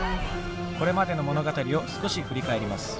これまでの物語を少し振り返ります。